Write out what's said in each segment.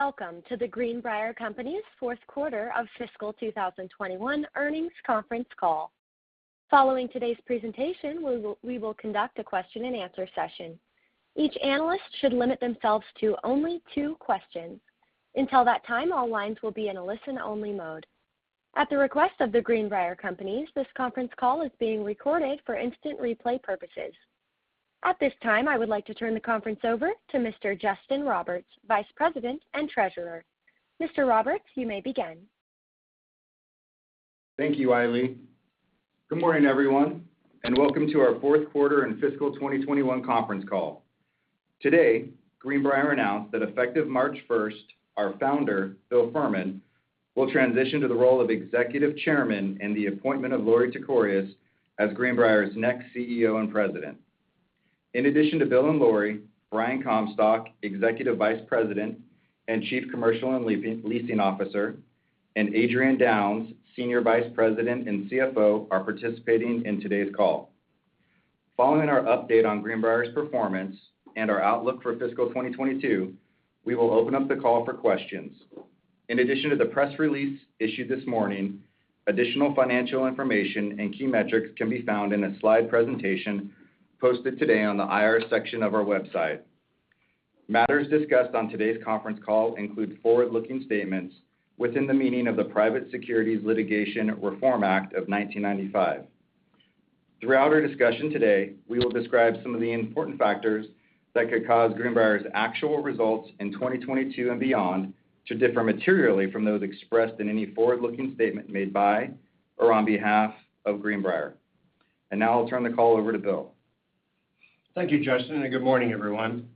Welcome to The Greenbrier Companies Fourth Quarter of Fiscal 2021 Earnings Conference Call. Following today's presentation, we will conduct a question-and-answer session. Each analyst should limit themselves to only two questions. Until that time, all lines will be in a listen-only mode. At the request of The Greenbrier Companies, this conference call is being recorded for instant replay purposes. At this time, I would like to turn the conference over to Mr. Justin Roberts, Vice President and Treasurer. Mr. Roberts, you may begin. Thank you, Ailie. Good morning, everyone, and welcome to our Fourth Quarter and Fiscal 2021 Conference Call. Today, Greenbrier announced that effective March 1st, our founder, Bill Furman, will transition to the role of Executive Chairman and the appointment of Lorie Tekorius as Greenbrier's next CEO and President. In addition to Bill and Lorie, Brian Comstock, Executive Vice President and Chief Commercial and Leasing Officer, and Adrian Downes, Senior Vice President and CFO, are participating in today's call. Following our update on Greenbrier's performance and our outlook for fiscal 2022, we will open up the call for questions. In addition to the press release issued this morning, additional financial information and key metrics can be found in a slide presentation posted today on the IR section of our website. Matters discussed on today's conference call include forward-looking statements within the meaning of the Private Securities Litigation Reform Act of 1995. Throughout our discussion today, we will describe some of the important factors that could cause Greenbrier's actual results in 2022 and beyond to differ materially from those expressed in any forward-looking statement made by or on behalf of Greenbrier. Now I'll turn the call over to Bill. Thank you, Justin, and good morning, everyone.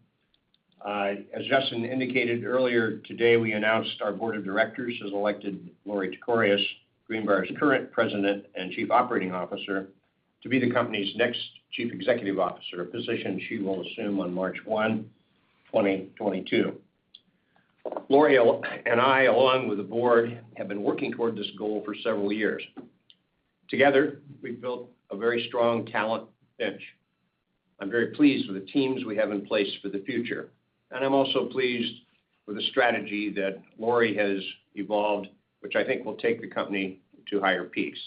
As Justin indicated earlier today, we announced our Board of Directors has elected Lorie Tekorius, Greenbrier's current President and Chief Operating Officer, to be the company's next Chief Executive Officer, a position she will assume on March 1, 2022. Lorie and I, along with the Board, have been working toward this goal for several years. Together, we've built a very strong talent bench. I'm very pleased with the teams we have in place for the future, and I'm also pleased with the strategy that Lorie has evolved, which I think will take the company to higher peaks.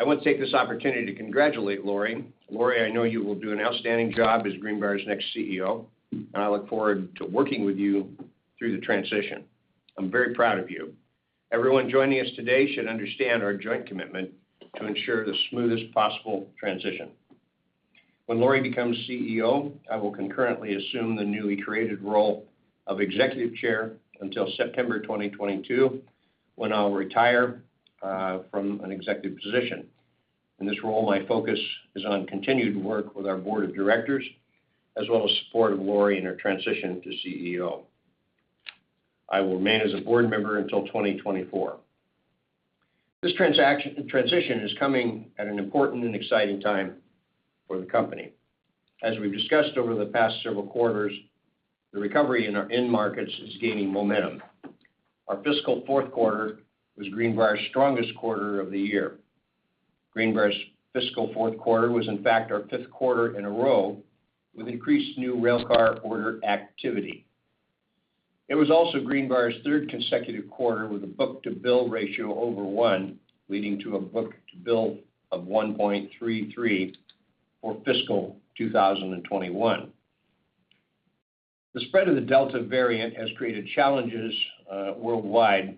I want to take this opportunity to congratulate Lorie. Lorie, I know you will do an outstanding job as Greenbrier's next CEO, and I look forward to working with you through the transition. I'm very proud of you. Everyone joining us today should understand our joint commitment to ensure the smoothest possible transition. When Lorie becomes CEO, I will concurrently assume the newly created role of Executive Chair until September 2022, when I'll retire from an executive position. In this role, my focus is on continued work with our Board of Directors, as well as support of Lorie in her transition to CEO. I will remain as a Board member until 2024. This transition is coming at an important and exciting time for the company. As we've discussed over the past several quarters, the recovery in our end markets is gaining momentum. Our fiscal fourth quarter was Greenbrier's strongest quarter of the year. Greenbrier's fiscal fourth quarter was, in fact, our fifth quarter in a row with increased new railcar order activity. It was also Greenbrier's third consecutive quarter with a book-to-bill ratio over one, leading to a book-to-bill of 1.33 for fiscal 2021. The spread of the Delta variant has created challenges worldwide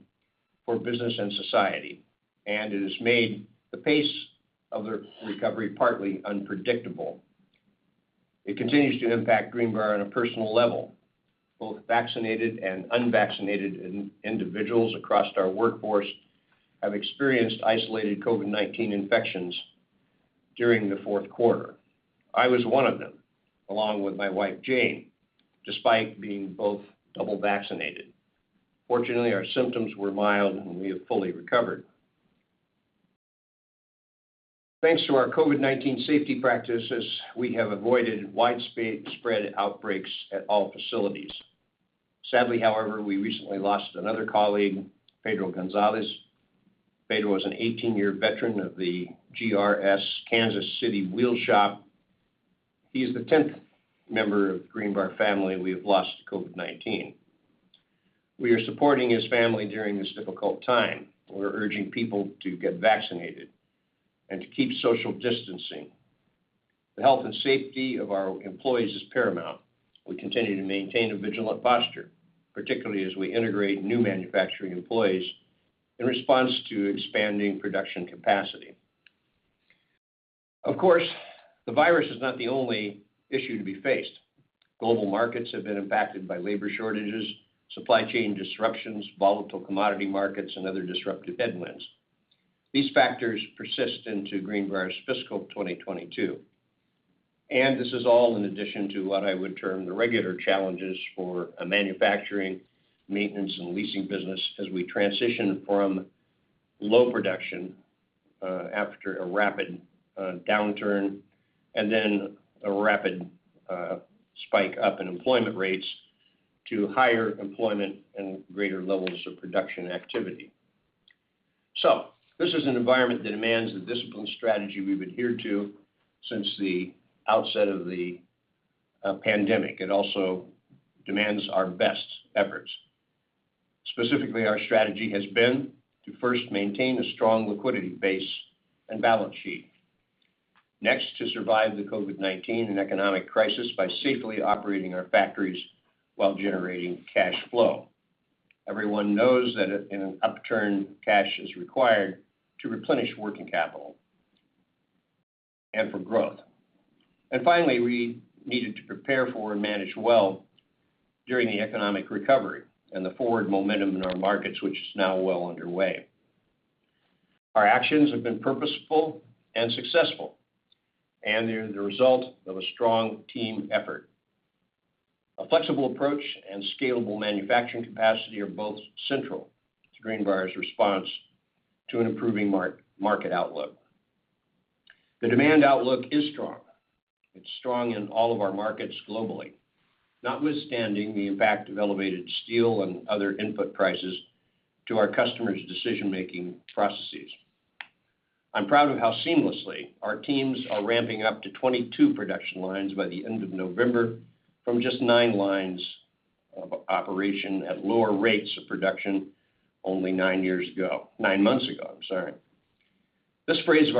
for business and society, and it has made the pace of the recovery partly unpredictable. It continues to impact Greenbrier on a personal level. Both vaccinated and unvaccinated individuals across our workforce have experienced isolated COVID-19 infections during the fourth quarter. I was one of them, along with my wife, Jane, despite being both double vaccinated. Fortunately, our symptoms were mild, and we have fully recovered. Thanks to our COVID-19 safety practices, we have avoided widespread outbreaks at all facilities. Sadly, however, we recently lost another colleague, Pedro Gonzalez. Pedro was an 18-year veteran of the GRS Kansas City Wheel Shop. He is the 10th member of Greenbrier family we have lost to COVID-19. We are supporting his family during this difficult time. We're urging people to get vaccinated and to keep social distancing. The health and safety of our employees is paramount. We continue to maintain a vigilant posture, particularly as we integrate new manufacturing employees in response to expanding production capacity. Of course, the virus is not the only issue to be faced. Global markets have been impacted by labor shortages, supply chain disruptions, volatile commodity markets, and other disruptive headwinds. These factors persist into Greenbrier's fiscal 2022. This is all in addition to what I would term the regular challenges for a manufacturing, maintenance, and leasing business as we transition from low production after a rapid downturn and then a rapid spike up in employment rates to higher employment and greater levels of production activity. This is an environment that demands the discipline strategy we've adhered to since the outset of the pandemic. It also demands our best efforts. Specifically, our strategy has been to first maintain a strong liquidity base and balance sheet. Next, to survive the COVID-19 and economic crisis by safely operating our factories while generating cash flow. Everyone knows that in an upturn, cash is required to replenish working capital and for growth. Finally, we needed to prepare for and manage well during the economic recovery and the forward momentum in our markets, which is now well underway. Our actions have been purposeful and successful, and they're the result of a strong team effort. A flexible approach and scalable manufacturing capacity are both central to Greenbrier's response to an improving market outlook. The demand outlook is strong. It's strong in all of our markets globally, notwithstanding the impact of elevated steel and other input prices to our customers' decision-making processes. I'm proud of how seamlessly our teams are ramping up to 2022 production lines by the end of November from just nine lines of operation at lower rates of production only nine months ago, I'm sorry. This phase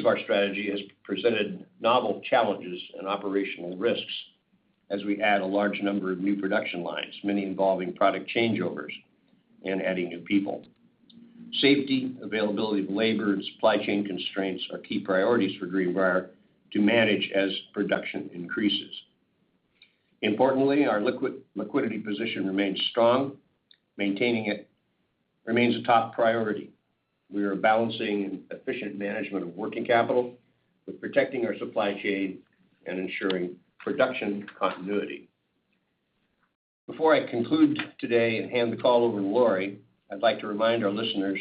of our strategy has presented novel challenges and operational risks as we add a large number of new production lines, many involving product changeovers and adding new people. Safety, availability of labor, and supply chain constraints are key priorities for Greenbrier to manage as production increases. Importantly, our liquidity position remains strong. Maintaining it remains a top priority. We are balancing efficient management of working capital with protecting our supply chain and ensuring production continuity. Before I conclude today and hand the call over to Lorie, I'd like to remind our listeners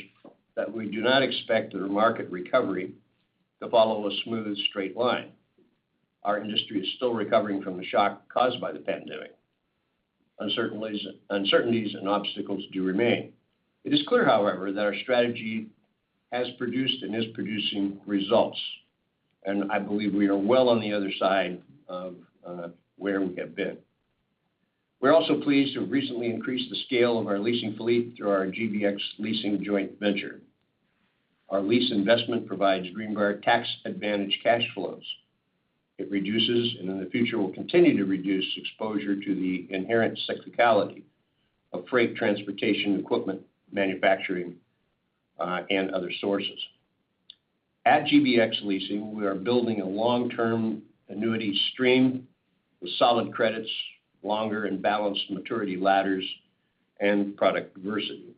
that we do not expect the market recovery to follow a smooth, straight line. Our industry is still recovering from the shock caused by the pandemic. Uncertainties and obstacles do remain. It is clear, however, that our strategy has produced and is producing results, and I believe we are well on the other side of where we have been. We're also pleased to have recently increased the scale of our leasing fleet through our GBX Leasing joint venture. Our lease investment provides Greenbrier tax-advantaged cash flows. It reduces, and in the future, will continue to reduce exposure to the inherent cyclicality of freight transportation equipment manufacturing, and other sources. At GBX Leasing, we are building a long-term annuity stream with solid credits, longer and balanced maturity ladders, and product diversity.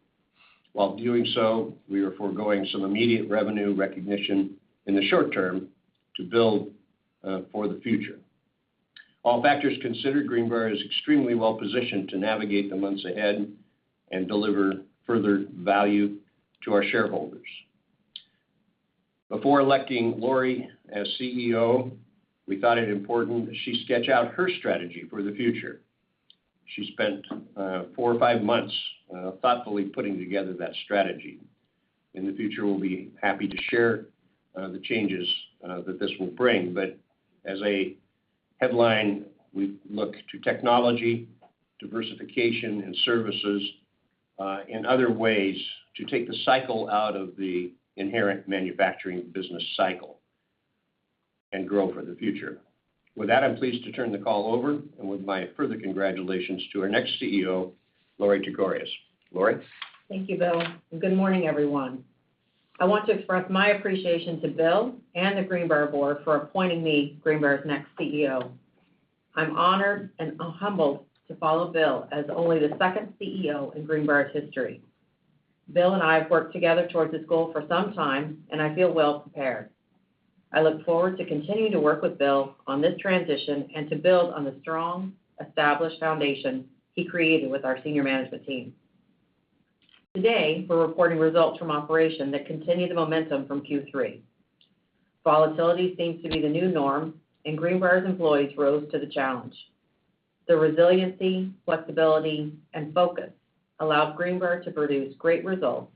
While doing so, we are forgoing some immediate revenue recognition in the short-term to build for the future. All factors considered, Greenbrier is extremely well-positioned to navigate the months ahead and deliver further value to our shareholders. Before electing Lorie as CEO, we thought it important she sketch out her strategy for the future. She spent four to five months thoughtfully putting together that strategy. In the future, we'll be happy to share the changes that this will bring. As a headline, we look to technology, diversification, and services and other ways to take the cycle out of the inherent manufacturing business cycle and grow for the future. With that, I'm pleased to turn the call over and with my further congratulations to our next CEO, Lorie Tekorius. Lorie? Thank you, Bill, and good morning, everyone. I want to express my appreciation to Bill and the Greenbrier board for appointing me Greenbrier's next CEO. I'm honored and humbled to follow Bill as only the second CEO in Greenbrier's history. Bill and I have worked together towards this goal for some time, and I feel well prepared. I look forward to continuing to work with Bill on this transition and to build on the strong, established foundation he created with our senior management team. Today, we're reporting results from operations that continue the momentum from Q3. Volatility seems to be the new norm, and Greenbrier's employees rose to the challenge. Their resiliency, flexibility, and focus allowed Greenbrier to produce great results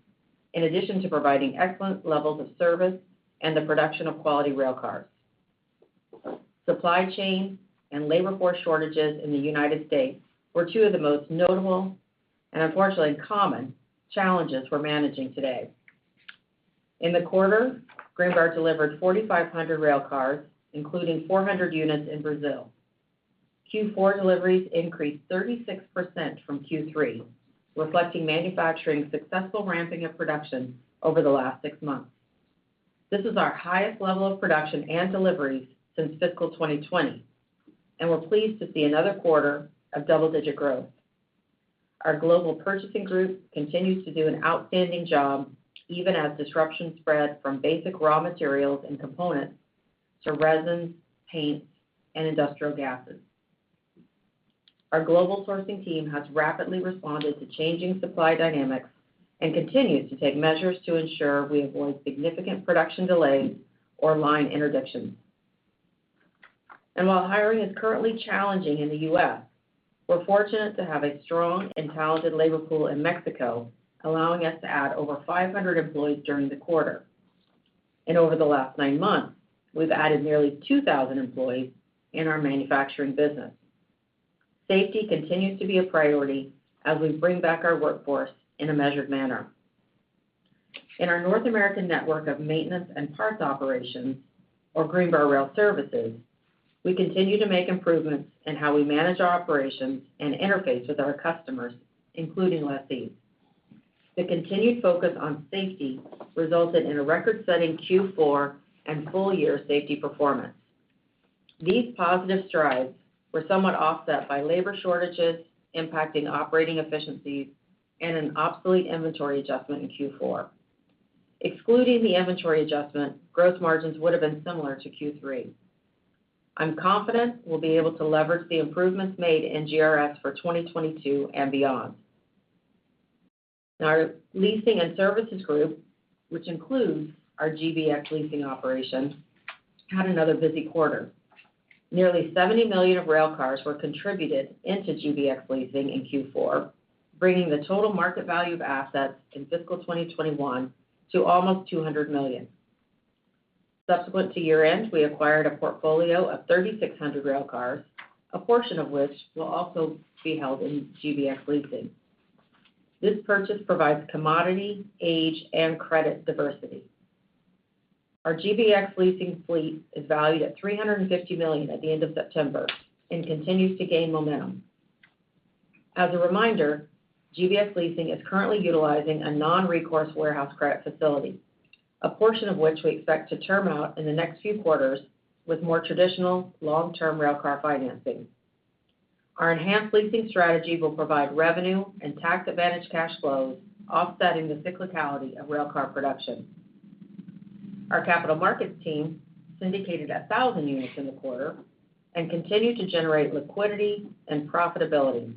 in addition to providing excellent levels of service and the production of quality railcars. Supply chain and labor force shortages in the United States were two of the most notable, and unfortunately common, challenges we're managing today. In the quarter, Greenbrier delivered 4,500 railcars, including 400 units in Brazil. Q4 deliveries increased 36% from Q3, reflecting manufacturing successful ramping of production over the last six months. This is our highest level of production and deliveries since fiscal 2020, and we're pleased to see another quarter of double-digit growth. Our global purchasing group continues to do an outstanding job, even as disruption spread from basic raw materials and components to resins, paints, and industrial gases. Our global sourcing team has rapidly responded to changing supply dynamics and continues to take measures to ensure we avoid significant production delays or line interdictions. While hiring is currently challenging in the U.S., we're fortunate to have a strong and talented labor pool in Mexico, allowing us to add over 500 employees during the quarter. Over the last nine months, we've added nearly 2,000 employees in our manufacturing business. Safety continues to be a priority as we bring back our workforce in a measured manner. In our North American network of maintenance and parts operations, or Greenbrier Rail Services, we continue to make improvements in how we manage our operations and interface with our customers, including lessees. The continued focus on safety resulted in a record-setting Q4 and full-year safety performance. These positive strides were somewhat offset by labor shortages impacting operating efficiencies and an obsolete inventory adjustment in Q4. Excluding the inventory adjustment, growth margins would have been similar to Q3. I'm confident we'll be able to leverage the improvements made in GRS for 2022 and beyond. Now, our leasing and services group, which includes our GBX Leasing operation, had another busy quarter. Nearly $70 million of rail cars were contributed into GBX leasing in Q4, bringing the total market value of assets in fiscal 2021 to almost $200 million. Subsequent to year-end, we acquired a portfolio of 3,600 rail cars, a portion of which will also be held in GBX Leasing. This purchase provides commodity, age, and credit diversity. Our GBX Leasing fleet is valued at $350 million at the end of September and continues to gain momentum. As a reminder, GBX Leasing is currently utilizing a non-recourse warehouse credit facility, a portion of which we expect to term out in the next few quarters with more traditional long-term railcar financing. Our enhanced leasing strategy will provide revenue and tax-advantaged cash flows, offsetting the cyclicality of railcar production. Our capital markets team syndicated 1,000 units in the quarter and continued to generate liquidity and profitability.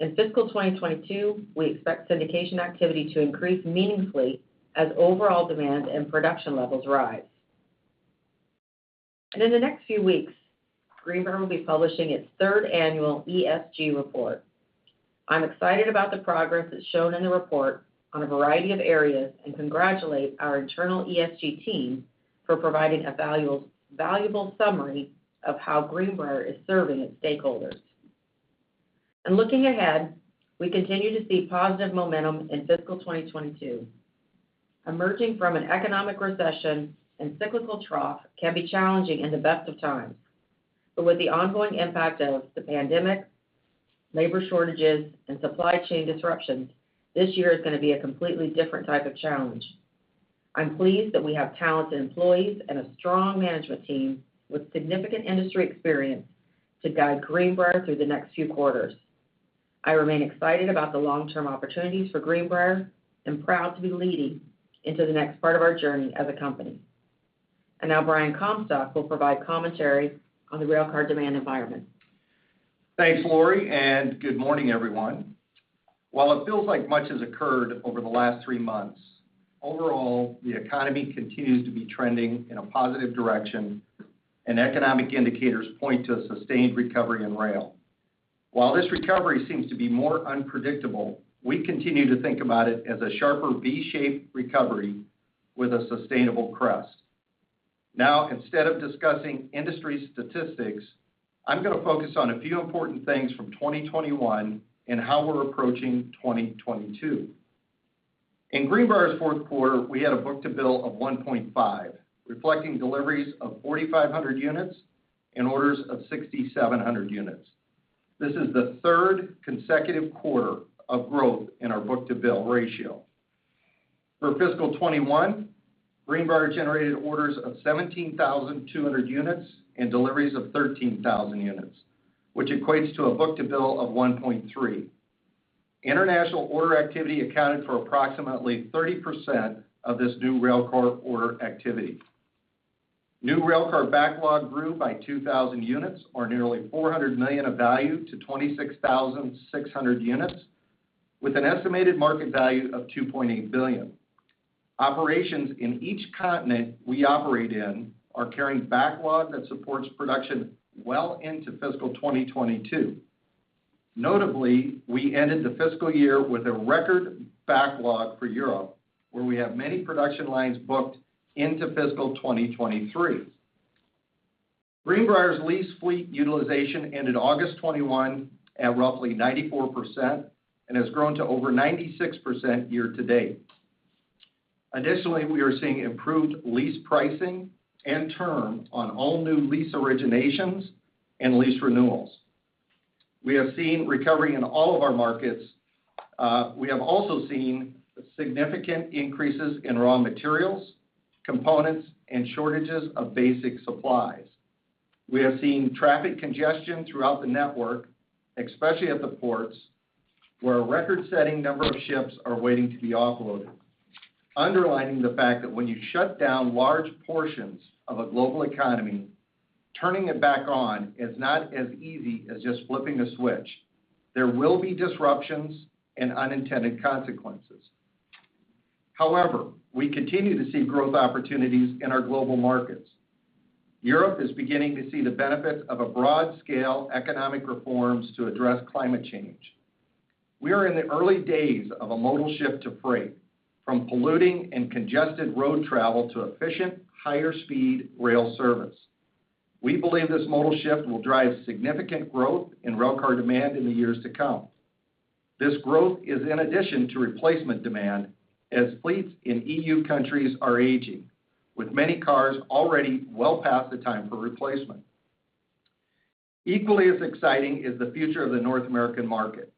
In fiscal 2022, we expect syndication activity to increase meaningfully as overall demand and production levels rise. In the next few weeks, Greenbrier will be publishing its Third Annual ESG Report. I'm excited about the progress that's shown in the report on a variety of areas and congratulate our internal ESG team for providing a valuable summary of how Greenbrier is serving its stakeholders. Looking ahead, we continue to see positive momentum in fiscal 2022. Emerging from an economic recession and cyclical trough can be challenging in the best of times. With the ongoing impact of the pandemic, labor shortages, and supply chain disruptions, this year is going to be a completely different type of challenge. I'm pleased that we have talented employees and a strong management team with significant industry experience to guide Greenbrier through the next few quarters. I remain excited about the long-term opportunities for Greenbrier and proud to be leading into the next part of our journey as a company. Now Brian Comstock will provide commentary on the rail car demand environment. Thanks, Lorie, and good morning, everyone. While it feels like much has occurred over the last three months, overall, the economy continues to be trending in a positive direction, and economic indicators point to a sustained recovery in rail. While this recovery seems to be more unpredictable, we continue to think about it as a sharper V-shaped recovery with a sustainable crest. Now, instead of discussing industry statistics, I'm going to focus on a few important things from 2021 and how we're approaching 2022. In Greenbrier's fourth quarter, we had a book-to-bill of 1.5, reflecting deliveries of 4,500 units and orders of 6,700 units. This is the third consecutive quarter of growth in our book-to-bill ratio. For fiscal 2021, Greenbrier generated orders of 17,200 units and deliveries of 13,000 units, which equates to a book-to-bill of 1.3. International order activity accounted for approximately 30% of this new rail car order activity. New rail car backlog grew by 2,000 units or nearly $400 million of value to 26,600 units with an estimated market value of $2.8 billion. Operations in each continent we operate in are carrying backlog that supports production well into fiscal 2022. Notably, we ended the fiscal year with a record backlog for Europe, where we have many production lines booked into fiscal 2023. Greenbrier's lease fleet utilization ended August 2021 at roughly 94% and has grown to over 96% year-to-date. Additionally, we are seeing improved lease pricing and term on all new lease originations and lease renewals. We have seen recovery in all of our markets. We have also seen significant increases in raw materials, components, and shortages of basic supplies. We have seen traffic congestion throughout the network, especially at the ports, where a record-setting number of ships are waiting to be offloaded, underlining the fact that when you shut down large portions of a global economy, turning it back on is not as easy as just flipping a switch. There will be disruptions and unintended consequences. However, we continue to see growth opportunities in our global markets. Europe is beginning to see the benefits of a broad scale economic reforms to address climate change. We are in the early days of a modal shift to freight from polluting and congested road travel to efficient, higher speed rail service. We believe this modal shift will drive significant growth in railcar demand in the years to come. This growth is in addition to replacement demand as fleets in EU countries are aging, with many cars already well past the time for replacement. Equally as exciting is the future of the North American market.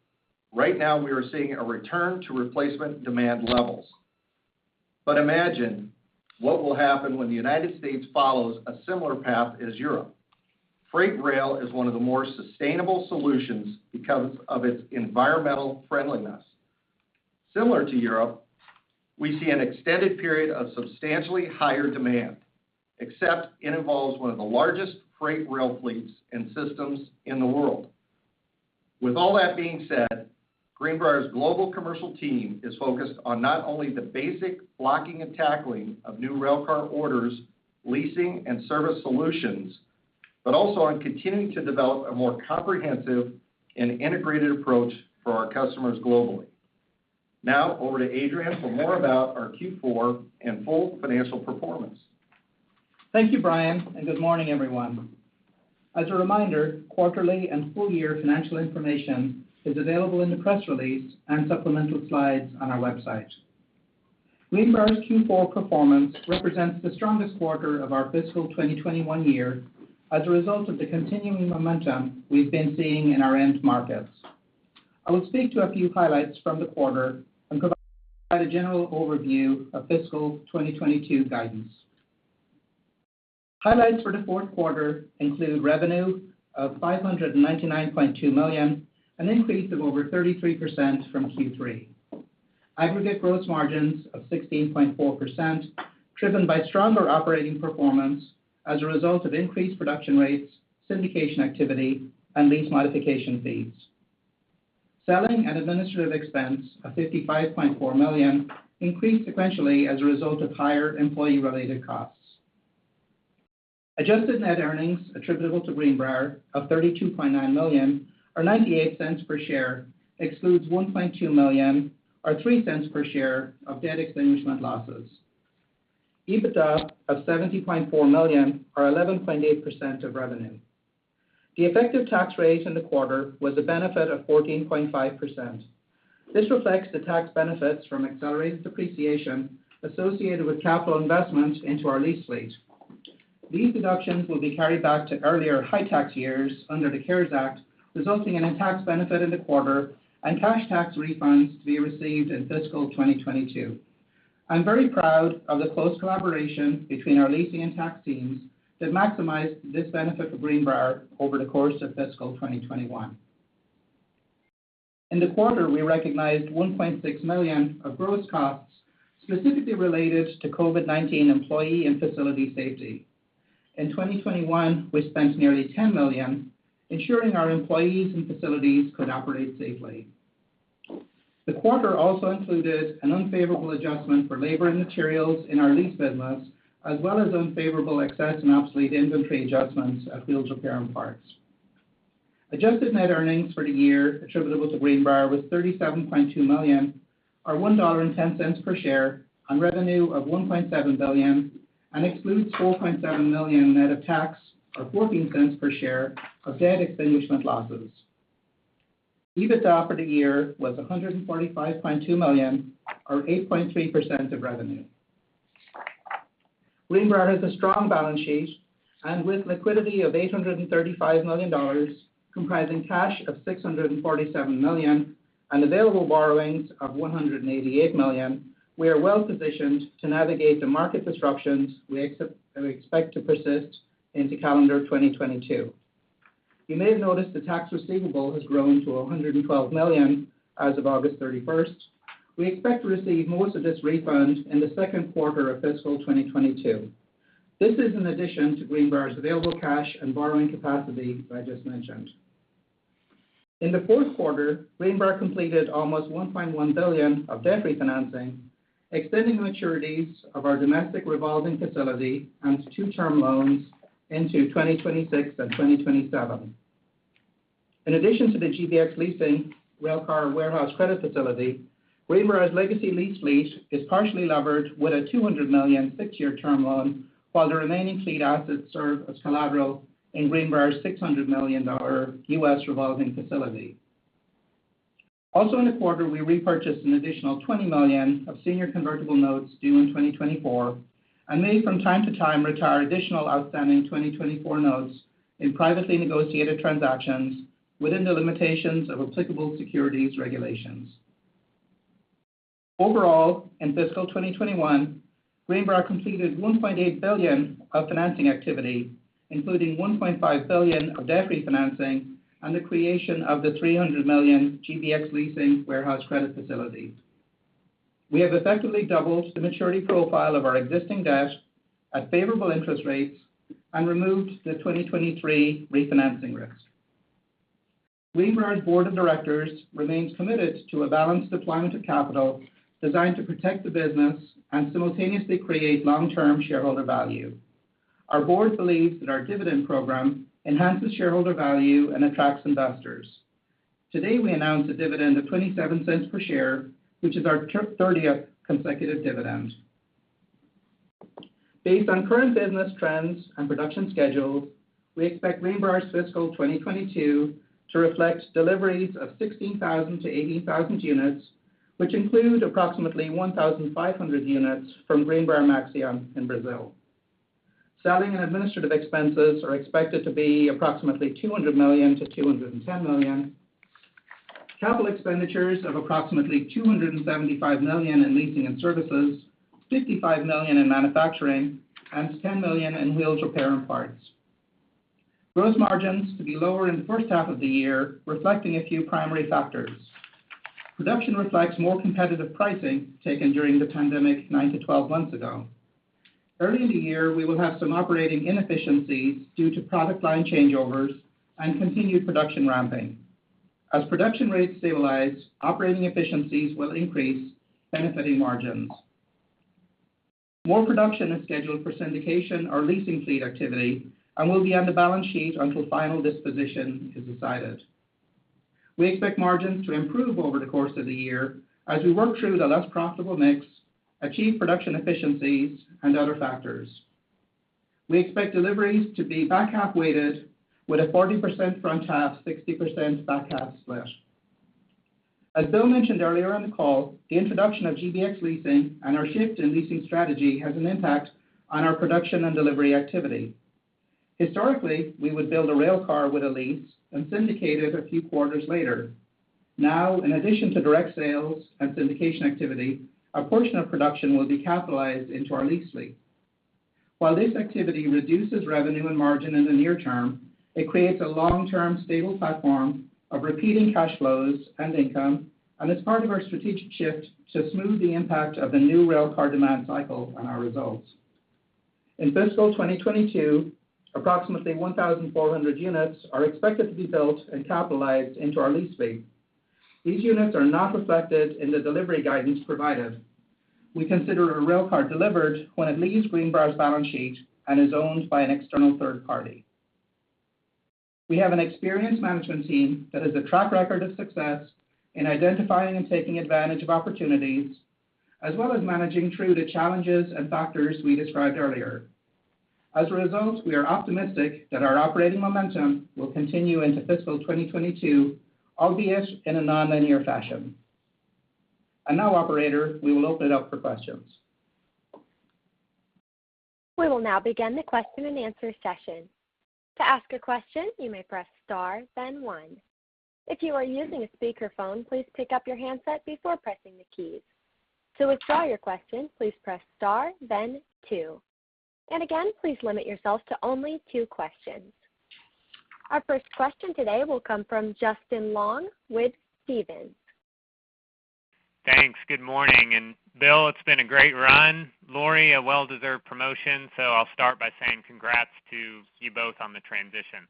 Right now we are seeing a return to replacement demand levels. Imagine what will happen when the United States follows a similar path as Europe. Freight rail is one of the more sustainable solutions because of its environmental friendliness. Similar to Europe, we see an extended period of substantially higher demand, except it involves one of the largest freight rail fleets and systems in the world. With all that being said, Greenbrier's global commercial team is focused on not only the basic blocking and tackling of new railcar orders, leasing and service solutions, but also on continuing to develop a more comprehensive and integrated approach for our customers globally. Now over to Adrian for more about our Q4 and full financial performance. Thank you, Brian, and good morning, everyone. As a reminder, quarterly and full-year financial information is available in the press release and supplemental slides on our website. Greenbrier's Q4 performance represents the strongest quarter of our fiscal 2021 year as a result of the continuing momentum we've been seeing in our end markets. I will speak to a few highlights from the quarter and provide a general overview of fiscal 2022 guidance. Highlights for the fourth quarter include revenue of $599.2 million, an increase of over 33% from Q3. Aggregate gross margins of 16.4%, driven by stronger operating performance as a result of increased production rates, syndication activity, and lease modification fees. Selling and administrative expense of $55.4 million increased sequentially as a result of higher employee-related costs. Adjusted net earnings attributable to Greenbrier of $32.9 million, or $0.98 per share, excludes $1.2 million, or $0.03 per share, of debt extinguishment losses. EBITDA of $70.4 million or 11.8% of revenue. The effective tax rate in the quarter was a benefit of 14.5%. This reflects the tax benefits from accelerated depreciation associated with capital investments into our lease fleet. These deductions will be carried back to earlier high tax years under the CARES Act, resulting in a tax benefit in the quarter and cash tax refunds to be received in fiscal 2022. I'm very proud of the close collaboration between our leasing and tax teams that maximized this benefit for Greenbrier over the course of fiscal 2021. In the quarter, we recognized $1.6 million of gross costs specifically related to COVID-19 employee and facility safety. In 2021, we spent nearly $10 million ensuring our employees and facilities could operate safely. The quarter also included an unfavorable adjustment for labor and materials in our lease business, as well as unfavorable excess and obsolete inventory adjustments at Wheels, Repair and Parts. Adjusted net earnings for the year attributable to Greenbrier was $37.2 million or $1.10 per share on revenue of $1.7 billion and excludes $4.7 million net of tax or $0.14 per share of debt extinguishment losses. EBITDA for the year was $145.2 million or 8.3% of revenue. Greenbrier has a strong balance sheet and with liquidity of $835 million, comprising cash of $647 million and available borrowings of $188 million, we are well-positioned to navigate the market disruptions we expect to persist into calendar 2022. You may have noticed the tax receivable has grown to $112 million as of August 31st. We expect to receive most of this refund in the second quarter of fiscal 2022. This is in addition to Greenbrier's available cash and borrowing capacity that I just mentioned. In the fourth quarter, Greenbrier completed almost $1.1 billion of debt refinancing, extending maturities of our domestic revolving facility and two-term loans into 2026 and 2027. In addition to the GBX Leasing railcar warehouse credit facility, Greenbrier's legacy lease fleet is partially levered with a $200 million six-year term loan while the remaining fleet assets serve as collateral in Greenbrier's $600 million U.S. revolving facility. Also in the quarter, we repurchased an additional $20 million of senior convertible notes due in 2024 and may from time to time retire additional outstanding 2024 notes in privately negotiated transactions within the limitations of applicable securities regulations. Overall, in fiscal 2021, Greenbrier completed $1.8 billion of financing activity, including $1.5 billion of debt refinancing and the creation of the $300 million GBX Leasing warehouse credit facility. We have effectively doubled the maturity profile of our existing debt at favorable interest rates and removed the 2023 refinancing risk. Greenbrier's Board of Directors remains committed to a balanced deployment of capital designed to protect the business and simultaneously create long-term shareholder value. Our Board believes that our dividend program enhances shareholder value and attracts investors. Today, we announced a dividend of $0.27 per share, which is our 30th consecutive dividend. Based on current business trends and production schedules, we expect Greenbrier's fiscal 2022 to reflect deliveries of 16,000-18,000 units, which include approximately 1,500 units from Greenbrier-Maxion in Brazil. Selling and administrative expenses are expected to be approximately $200 million-$210 million. Capital expenditures of approximately $275 million in Leasing and Services, $55 million in Manufacturing, and $10 million in wheels, repair and parts. Gross margins to be lower in the first half of the year, reflecting a few primary factors. Production reflects more competitive pricing taken during the pandemic nine-12 months ago. Early in the year, we will have some operating inefficiencies due to product line changeovers and continued production ramping. As production rates stabilize, operating efficiencies will increase benefiting margins. More production is scheduled for syndication or leasing fleet activity and will be on the balance sheet until final disposition is decided. We expect margins to improve over the course of the year as we work through the less profitable mix, achieve production efficiencies, and other factors. We expect deliveries to be back-half weighted with a 40% front-half, 60% back-half split. As Bill mentioned earlier on the call, the introduction of GBX Leasing and our shift in leasing strategy has an impact on our production and delivery activity. Historically, we would build a railcar with a lease and syndicate it a few quarters later. Now, in addition to direct sales and syndication activity, a portion of production will be capitalized into our lease fleet. While this activity reduces revenue and margin in the near term, it creates a long-term stable platform of repeating cash flows and income, and it's part of our strategic shift to smooth the impact of the new railcar demand cycle on our results. In fiscal 2022, approximately 1,400 units are expected to be built and capitalized into our lease fleet. These units are not reflected in the delivery guidance provided. We consider a railcar delivered when it leaves Greenbrier's balance sheet and is owned by an external third party. We have an experienced management team that has a track record of success in identifying and taking advantage of opportunities, as well as managing through the challenges and factors we described earlier. As a result, we are optimistic that our operating momentum will continue into fiscal 2022, albeit in a nonlinear fashion. Now Operator, we will open it up for questions. We will now begin the question-and-answer session. To ask a question, you may press star, then one. If you are using a speakerphone, please pick up your handset before pressing the keys. To withdraw your question, please press star, then two. Again, please limit yourself to only two questions. Our first question today will come from Justin Long with Stephens. Thanks. Good morning. Bill, it's been a great run. Lorie, a well-deserved promotion. I'll start by saying congrats to you both on the transition.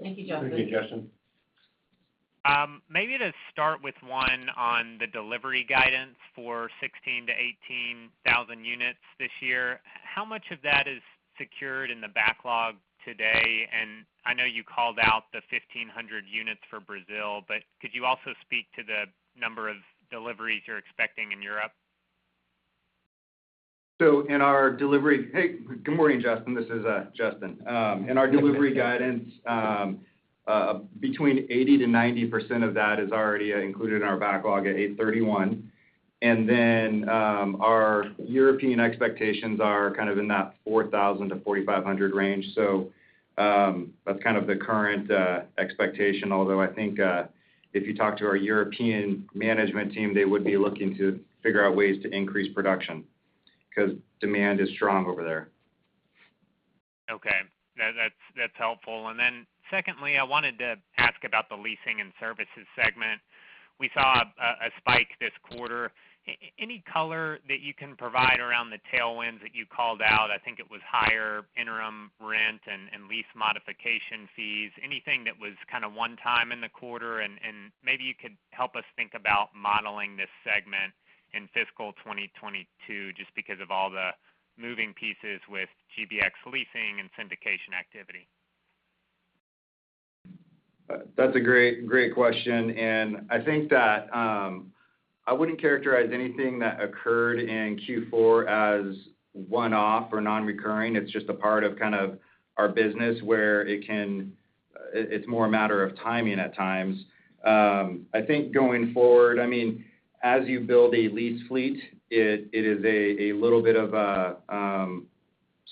Thank you, Justin. Maybe to start with one on the delivery guidance for 16,000-18,000 units this year, how much of that is secured in the backlog today? I know you called out the 1,500 units for Brazil, but could you also speak to the number of deliveries you're expecting in Europe? Hey, good morning, Justin. This is Justin. In our delivery guidance, between 80%-90% of that is already included in our backlog at 8/31. Then, our European expectations are kind of in that 4,000-4,500 range. That's kind of the current expectation, although I think, if you talk to our European management team, they would be looking to figure out ways to increase production because demand is strong over there. Okay. That's helpful. Secondly, I wanted to ask about the Leasing and Services segment. We saw a spike this quarter. Any color that you can provide around the tailwinds that you called out? I think it was higher interim rent and lease modification fees. Anything that was kinda one time in the quarter? Maybe you could help us think about modeling this segment in fiscal 2022, just because of all the moving pieces with GBX Leasing and syndication activity. That's a great question. I think that I wouldn't characterize anything that occurred in Q4 as one-off or non-recurring. It's just a part of kind of our business where it's more a matter of timing at times. I think going forward, I mean, as you build a lease fleet, it is a little bit of a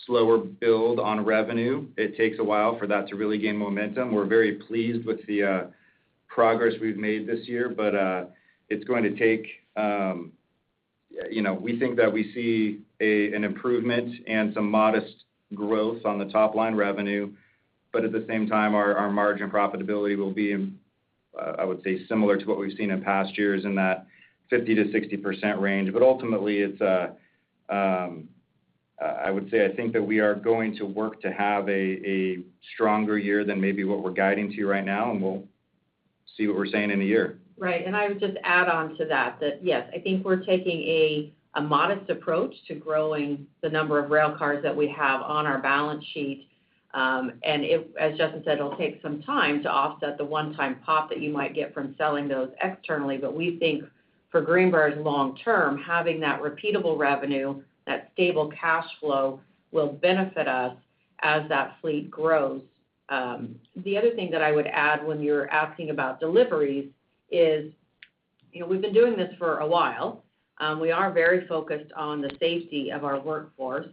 slower build on revenue. It takes a while for that to really gain momentum. We're very pleased with the progress we've made this year, but it's going to take, you know, we think that we see an improvement and some modest growth on the top line revenue, but at the same time, our margin profitability will be- I would say similar to what we've seen in past years in that 50%-60% range. Ultimately, it's, I would say, I think that we are going to work to have a stronger year than maybe what we're guiding to right now, and we'll see what we're saying in a year. Right. I would just add on to that yes, I think we're taking a modest approach to growing the number of rail cars that we have on our balance sheet. As Justin said, it'll take some time to offset the one-time pop that you might get from selling those externally. We think for Greenbrier's long-term, having that repeatable revenue, that stable cash flow will benefit us as that fleet grows. The other thing that I would add when you're asking about deliveries is, you know, we've been doing this for a while. We are very focused on the safety of our workforce.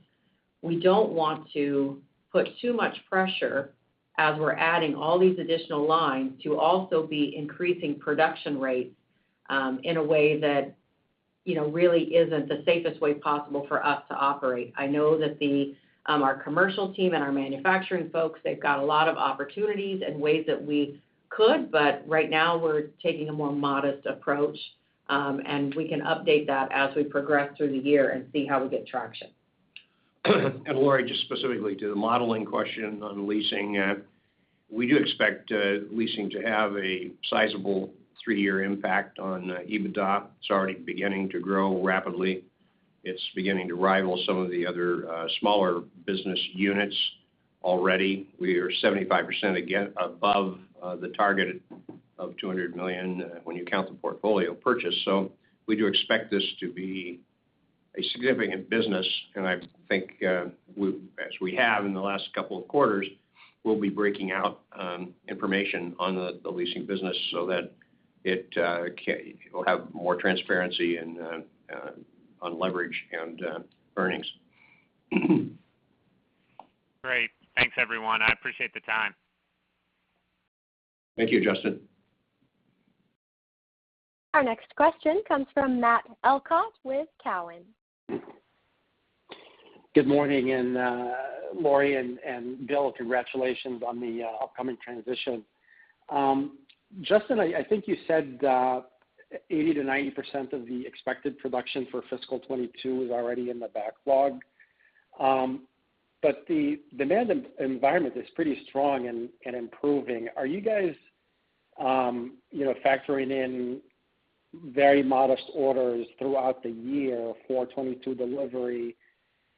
We don't want to put too much pressure as we're adding all these additional lines to also be increasing production rates, in a way that, you know, really isn't the safest way possible for us to operate. I know that our commercial team and our manufacturing folks, they've got a lot of opportunities and ways that we could, but right now we're taking a more modest approach. We can update that as we progress through the year and see how we get traction. Lorie, just specifically to the modeling question on leasing, we do expect leasing to have a sizable three-year impact on EBITDA. It's already beginning to grow rapidly. It's beginning to rival some of the other smaller business units already. We are 75% above the target of $200 million when you count the portfolio purchase. We do expect this to be a significant business. I think, as we have in the last couple of quarters, we'll be breaking out information on the Leasing business so that it will have more transparency and on leverage and earnings. Great. Thanks, everyone. I appreciate the time. Thank you, Justin. Our next question comes from Matt Elkott with Cowen. Good morning, Lorie and Bill, congratulations on the upcoming transition. Justin, I think you said 80%-90% of the expected production for fiscal 2022 is already in the backlog. The demand environment is pretty strong and improving. Are you guys, you know, factoring in very modest orders throughout the year for 2022 delivery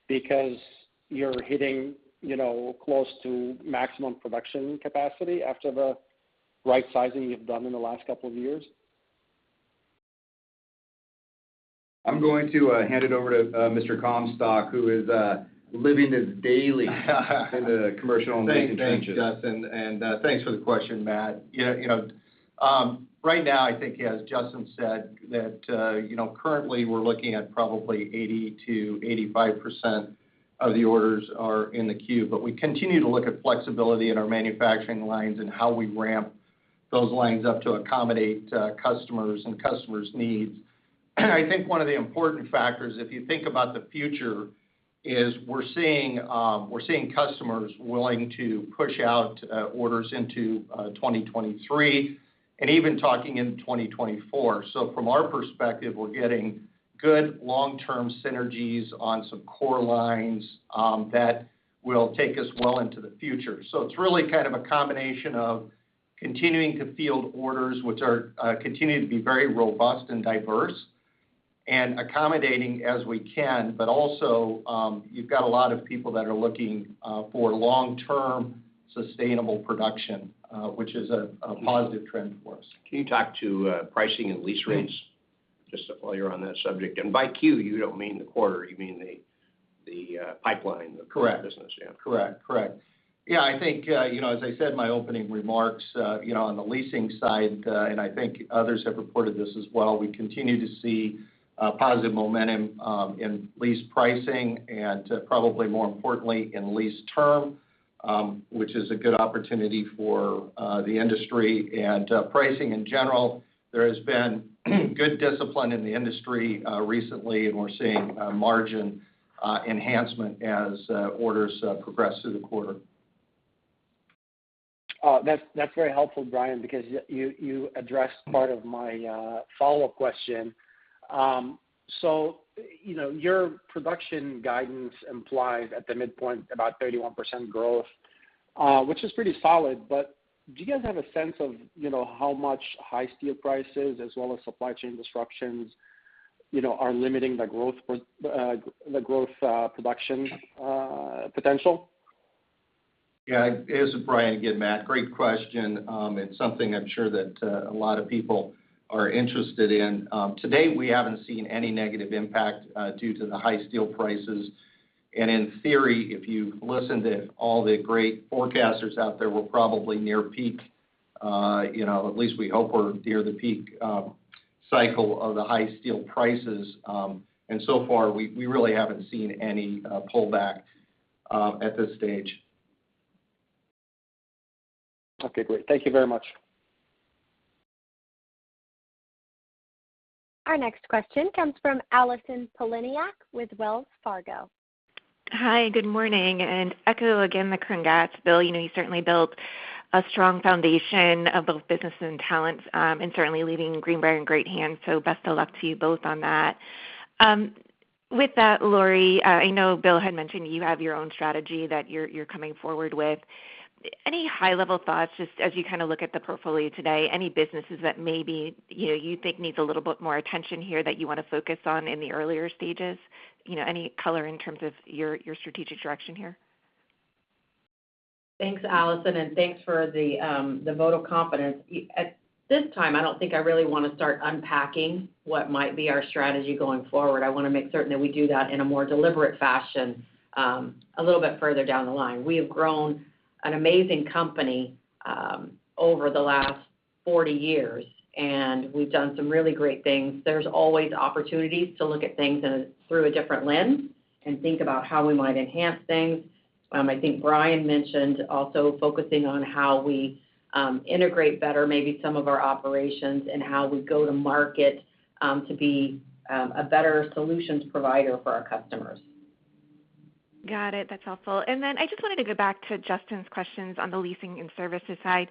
because you're hitting, you know, close to maximum production capacity after the right sizing you've done in the last couple of years? I'm going to hand it over to Mr. Comstock, who is living this daily in the commercial and leasing trenches. Thanks. Thanks, Justin, and thanks for the question, Matt. Yeah, you know, right now, I think as Justin said, that you know, currently we're looking at probably 80%-85% of the orders are in the queue. We continue to look at flexibility in our manufacturing lines and how we ramp those lines up to accommodate customers and customers' needs. I think one of the important factors, if you think about the future, is we're seeing customers willing to push out orders into 2023, and even talking into 2024. From our perspective, we're getting good long-term synergies on some core lines that will take us well into the future. It's really kind of a combination of continuing to field orders, which continue to be very robust and diverse, and accommodating as we can. Also, you've got a lot of people that are looking for long-term sustainable production, which is a positive trend for us. Can you talk to pricing and lease rates just while you're on that subject? By Q, you don't mean the quarter, you mean the pipeline- Correct. Of business. Correct. Yeah, I think, you know, as I said in my opening remarks, you know, on the leasing side, and I think others have reported this as well, we continue to see positive momentum in lease pricing and, probably more importantly, in lease term, which is a good opportunity for the industry and pricing in general. There has been good discipline in the industry recently, and we're seeing margin enhancement as orders progress through the quarter. That's very helpful, Brian, because you addressed part of my follow-up question. So you know, your production guidance implies at the midpoint about 31% growth, which is pretty solid. Do you guys have a sense of, you know, how much high steel prices as well as supply chain disruptions, you know, are limiting the growth for production potential? Yeah. This is Brian again, Matt, great question. It's something I'm sure that a lot of people are interested in. To date, we haven't seen any negative impact due to the high steel prices. In theory, if you listen to all the great forecasters out there, we're probably near peak, you know, at least we hope we're near the peak cycle of the high steel prices. So far, we really haven't seen any pullback at this stage. Okay, great. Thank you very much. Our next question comes from Allison Poliniak with Wells Fargo. Hi, good morning and echoing again the congrats, Bill. You know, you certainly built a strong foundation of both business and talent, and certainly leaving Greenbrier in great hands, so best of luck to you both on that. With that, Lorie, I know Bill had mentioned you have your own strategy that you're coming forward with. Any high-level thoughts just as you kind of look at the portfolio today, any businesses that maybe, you know, you think needs a little bit more attention here that you wanna focus on in the earlier stages? You know, any color in terms of your strategic direction here? Thanks, Allison. Thanks for the vote of confidence. At this time, I don't think I really wanna start unpacking what might be our strategy going forward. I wanna make certain that we do that in a more deliberate fashion, a little bit further down the line. We have grown an amazing company over the last 40 years, and we've done some really great things. There's always opportunities to look at things through a different lens and think about how we might enhance things. I think Brian mentioned also focusing on how we integrate better maybe some of our operations and how we go to market to be a better solutions provider for our customers. Got it. That's helpful. I just wanted to go back to Justin's questions on the Leasing and Services side.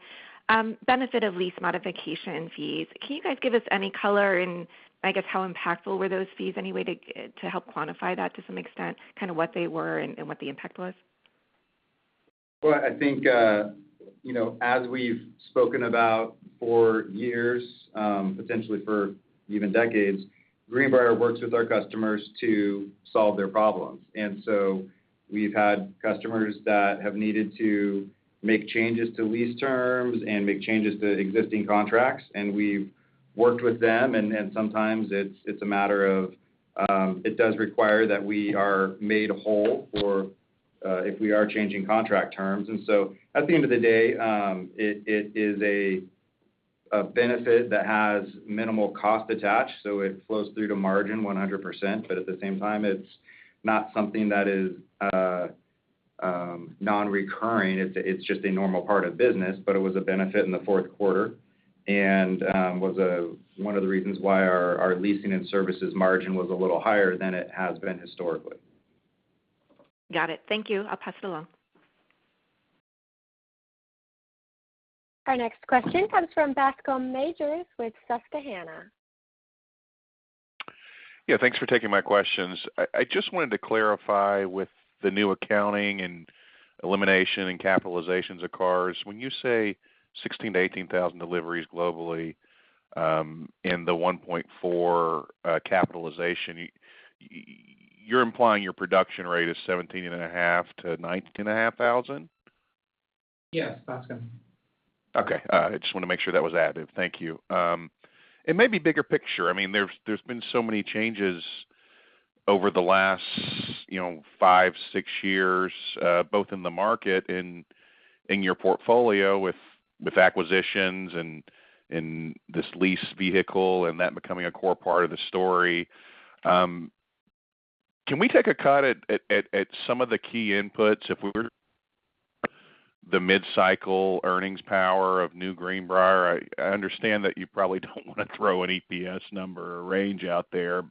Benefit of lease modification fees. Can you guys give us any color in, I guess, how impactful were those fees? Any way to help quantify that to some extent, kind of what they were and what the impact was? Well, I think, you know, as we've spoken about for years, potentially for even decades, Greenbrier works with our customers to solve their problems. We've had customers that have needed to make changes to lease terms and make changes to existing contracts, and we've worked with them, and sometimes it's a matter of, it does require that we are made whole for, if we are changing contract terms. At the end of the day, it is a benefit that has minimal cost attached, so it flows through to margin 100%. At the same time, it's not something that is non-recurring. It's just a normal part of business. It was a benefit in the fourth quarter and was one of the reasons why our Leasing and Services margin was a little higher than it has been historically. Got it. Thank you. I'll pass it along. Our next question comes from Bascome Majors with Susquehanna. Yeah, thanks for taking my questions. I just wanted to clarify with the new accounting and elimination and capitalizations of cars. When you say 16,000-18,000 deliveries globally, and the 1.4 Capitalization, you're implying your production rate is 17,500-19,500? Yes, Bascome. Okay. I just wanna make sure that was added. Thank you. Maybe bigger picture, I mean, there's been so many changes over the last, you know, five, six years, both in the market and in your portfolio with acquisitions and in this lease vehicle and that becoming a core part of the story. Can we take a cut at some of the key inputs if we were the mid-cycle earnings power of new Greenbrier? I understand that you probably don't wanna throw an EPS number or range out there,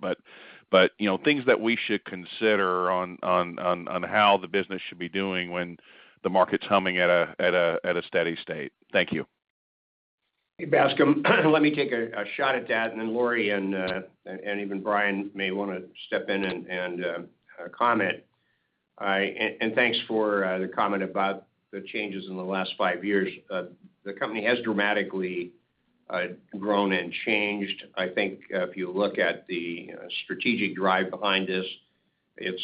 but you know, things that we should consider on how the business should be doing when the market's humming at a steady state. Thank you. Hey, Bascome, let me take a shot at that, and then Lorie and even Brian may wanna step in and comment. Thanks for the comment about the changes in the last five years. The company has dramatically grown and changed. I think if you look at the strategic drive behind this, it's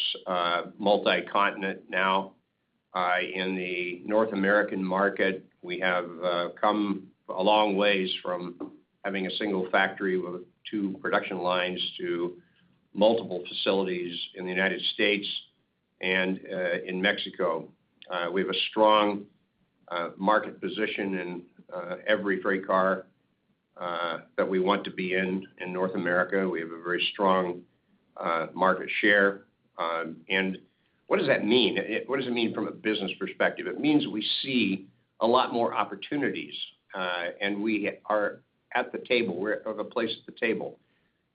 multi-continent now. In the North American market, we have come a long ways from having a single factory with two production lines to multiple facilities in the United States and in Mexico. We have a strong market position in every freight car that we want to be in in North America. We have a very strong market share. What does that mean? What does it mean from a business perspective? It means we see a lot more opportunities, and we are at the table. We have a place at the table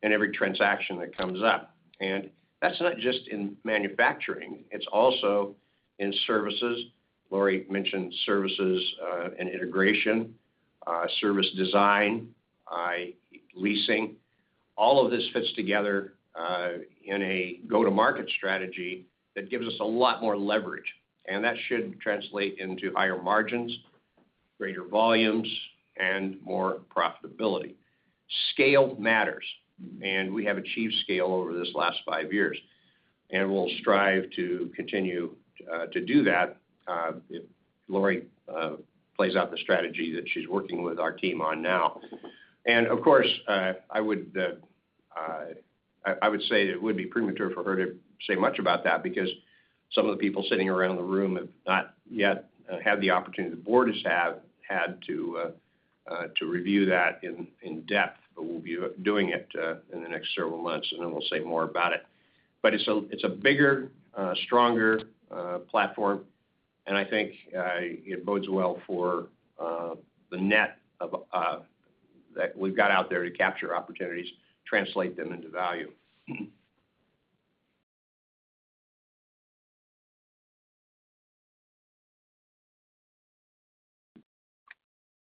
in every transaction that comes up. That's not just in manufacturing. It's also in services. Lorie mentioned services, and integration, service design, leasing. All of this fits together, in a go-to-market strategy that gives us a lot more leverage, and that should translate into higher margins, greater volumes, and more profitability. Scale matters, and we have achieved scale over this last five years, and we'll strive to continue to do that, if Lorie plays out the strategy that she's working with our team on now. Of course, I would say it would be premature for her to say much about that because some of the people sitting around the room have not yet had the opportunity the board has had to review that in depth, but we'll be doing it in the next several months, and then we'll say more about it. It's a bigger, stronger platform. I think it bodes well for the network that we've got out there to capture opportunities, translate them into value.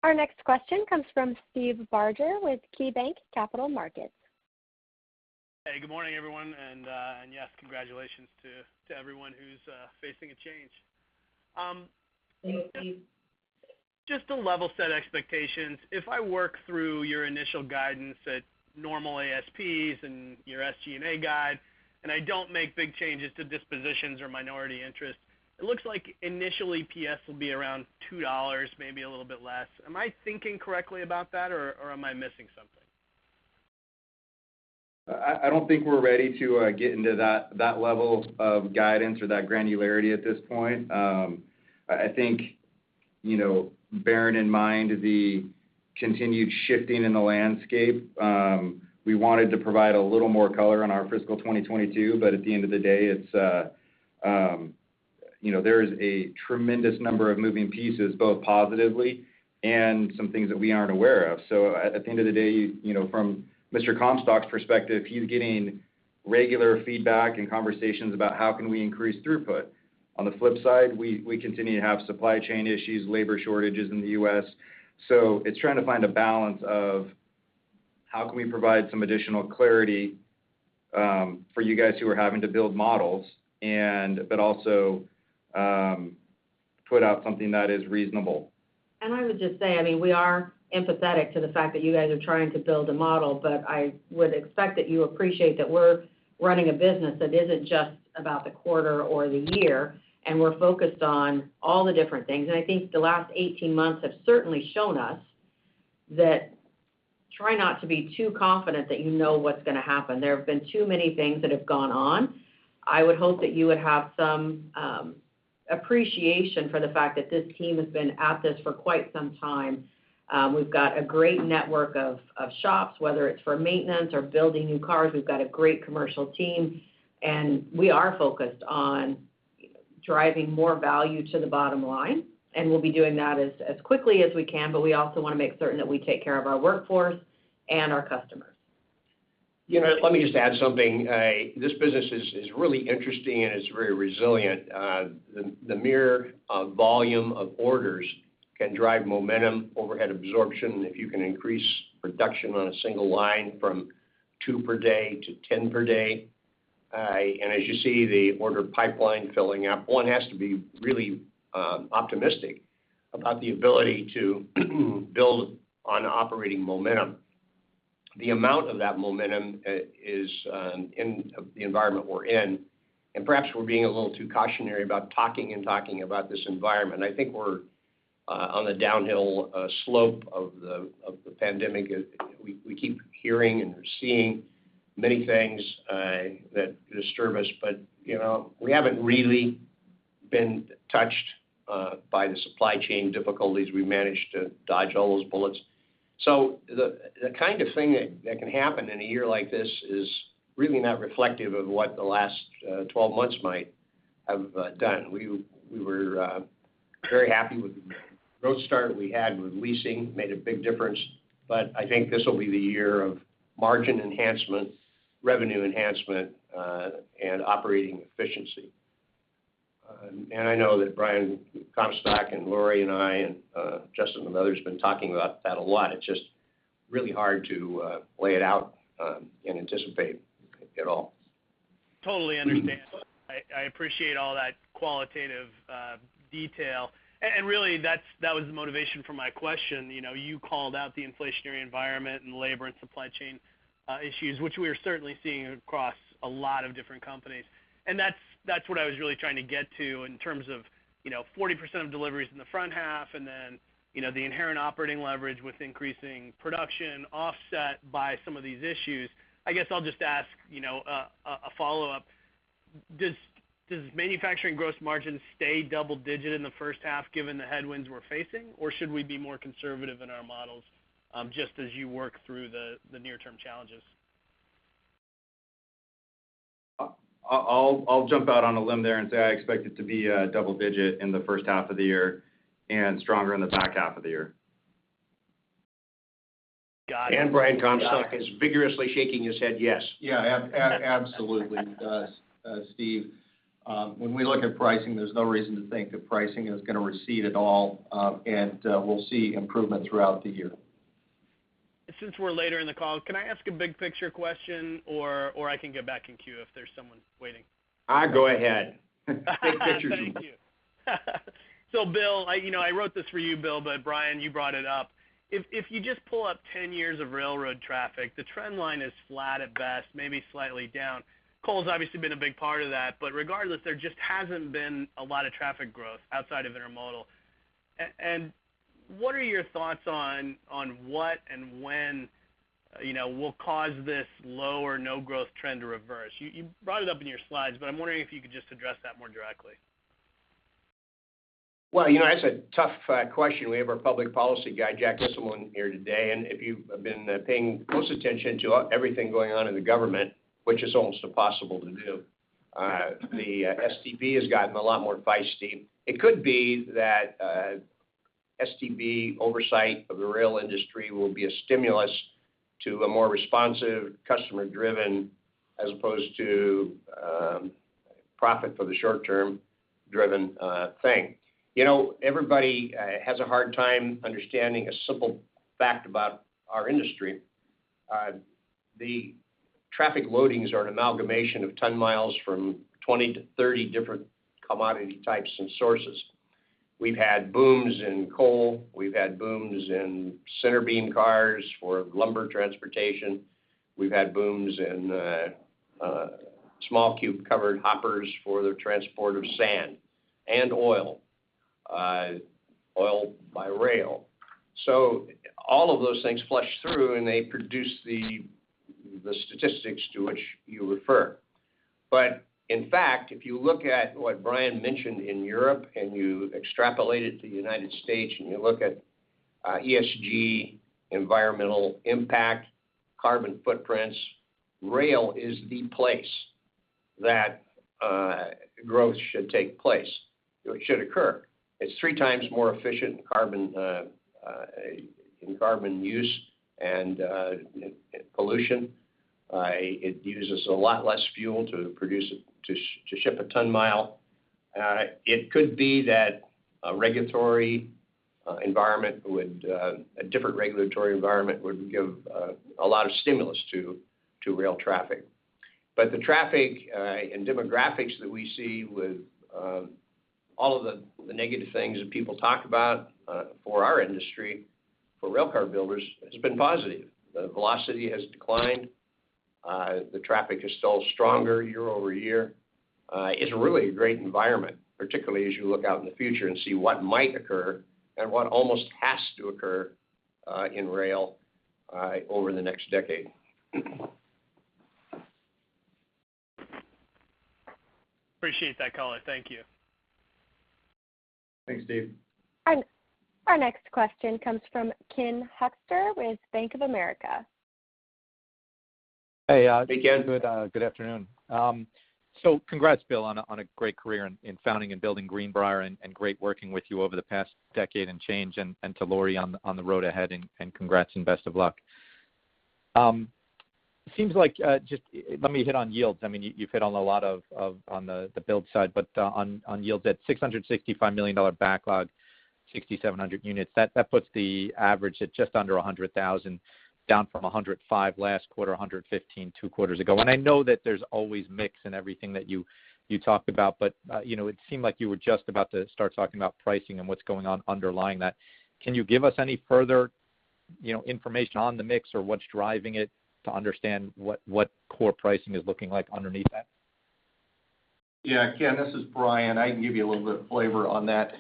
Our next question comes from Steve Barger with KeyBanc Capital Markets. Hey, good morning, everyone. Yes, congratulations to everyone who's facing a change. Thank you. Just to level set expectations, if I work through your initial guidance at normal ASPs and your SG&A guide, and I don't make big changes to dispositions or minority interests, it looks like initially EPS will be around $2, maybe a little bit less. Am I thinking correctly about that or am I missing something? I don't think we're ready to get into that level of guidance or that granularity at this point. I think, you know, bearing in mind the continued shifting in the landscape, we wanted to provide a little more color on our fiscal 2022, but at the end of the day, it's, you know, there is a tremendous number of moving pieces, both positively and some things that we aren't aware of. At the end of the day, you know, from Mr. Comstock's perspective, he's getting regular feedback and conversations about how can we increase throughput. On the flip side, we continue to have supply chain issues, labor shortages in the U.S. It's trying to find a balance of how we can provide some additional clarity for you guys who are having to build models but also put out something that is reasonable. I would just say, I mean, we are empathetic to the fact that you guys are trying to build a model, but I would expect that you appreciate that we're running a business that isn't just about the quarter or the year, and we're focused on all the different things. I think the last 18 months have certainly shown us that try not to be too confident that you know what's gonna happen. There have been too many things that have gone on. I would hope that you would have some appreciation for the fact that this team has been at this for quite some time. We've got a great network of shops, whether it's for maintenance or building new cars. We've got a great commercial team, and we are focused on driving more value to the bottom line, and we'll be doing that as quickly as we can, but we also wanna make certain that we take care of our workforce and our customers. You know, let me just add something. This business is really interesting, and it's very resilient. The mere volume of orders can drive momentum, overhead absorption if you can increase production on a single line from two per day to 10 per day. As you see the order pipeline filling up, one has to be really optimistic about the ability to build on operating momentum. The amount of that momentum is in the environment we're in, and perhaps we're being a little too cautionary about talking about this environment. I think we're on the downhill slope of the pandemic. We keep hearing and we're seeing many things that disturb us. You know, we haven't really been touched by the supply chain difficulties. We managed to dodge all those bullets. The kind of thing that can happen in a year like this is really not reflective of what the last 12 months might have done. We were very happy with the growth start we had with leasing. Made a big difference, but I think this will be the year of margin enhancement, revenue enhancement, and operating efficiency. I know that Brian Comstock and Lorie and I and Justin and others been talking about that a lot. It's just really hard to lay it out and anticipate it all. Totally understand. I appreciate all that qualitative detail. Really, that was the motivation for my question. You know, you called out the inflationary environment and labor and supply chain issues, which we are certainly seeing across a lot of different companies. That's what I was really trying to get to in terms of, you know, 40% of deliveries in the front half and then, you know, the inherent operating leverage with increasing production offset by some of these issues. I guess I'll just ask a follow-up. Does manufacturing gross margin stay double-digit in the first half given the headwinds we're facing, or should we be more conservative in our models, just as you work through the near-term challenges? I'll jump out on a limb there and say I expect it to be double-digit in the first half of the year and stronger in the back half of the year. Got it. Brian Comstock is vigorously shaking his head yes. Yeah. Absolutely, Steve. When we look at pricing, there's no reason to think that pricing is gonna recede at all, and we'll see improvement throughout the year. Since we're later in the call, can I ask a big picture question, or I can get back in queue if there's someone waiting. Go ahead. Big picture, Steve. Thank you. Bill, I, you know, I wrote this for you, Bill, but Brian, you brought it up. If you just pull up 10 years of railroad traffic, the trend line is flat at best, maybe slightly down. Coal's obviously been a big part of that, but regardless, there just hasn't been a lot of traffic growth outside of intermodal. And what are your thoughts on what and when, you know, will cause this low or no growth trend to reverse? You brought it up in your slides, but I'm wondering if you could just address that more directly. Well, you know, that's a tough question. We have our public policy guy, Jack Isselmann, on here today. If you have been paying close attention to everything going on in the government, which is almost impossible to do, the STB has gotten a lot more feisty. It could be that STB oversight of the rail industry will be a stimulus to a more responsive, customer-driven, as opposed to profit for the short-term driven thing. You know, everybody has a hard time understanding a simple fact about our industry. The traffic loadings are an amalgamation of ton miles from 20-30 different commodity types and sources. We've had booms in coal. We've had booms in center beam cars for lumber transportation. We've had booms in small cube covered hoppers for the transport of sand and oil by rail. All of those things flush through, and they produce the statistics to which you refer. In fact, if you look at what Brian mentioned in Europe, and you extrapolate it to the United States, and you look at ESG, environmental impact, carbon footprints, rail is the place that growth should take place or it should occur. It's three times more efficient carbon in carbon use and pollution. It uses a lot less fuel to ship a ton mile. It could be that a different regulatory environment would give a lot of stimulus to rail traffic. The traffic and demographics that we see with all of the negative things that people talk about for our industry, for rail car builders, has been positive. The velocity has declined. The traffic is still stronger year-over-year. It's really a great environment, particularly as you look out in the future and see what might occur and what almost has to occur in rail over the next decade. Appreciate that color. Thank you. Thanks, Steve. Our next question comes from Ken Hoexter with Bank of America. Hey. Hey, Ken. Good afternoon. So congrats, Bill, on a great career in founding and building Greenbrier and great working with you over the past decade and change, and to Lorie on the road ahead, and congrats and best of luck. Seems like let me hit on yields. I mean, you've hit on a lot of on the build side, but on yields at $665 million backlog, 6,700 units. That puts the average at just under $100,000, down from $105,000 last quarter, $115,000 two quarters ago. I know that there's always mix in everything that you talked about, but you know, it seemed like you were just about to start talking about pricing and what's going on underlying that. Can you give us any further, you know, information on the mix or what's driving it to understand what core pricing is looking like underneath that? Yeah, Ken, this is Brian. I can give you a little bit of flavor on that.